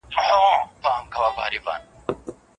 تر هغه وړاندي چي بحران راسي اقتصاد ښه وده کړي وه.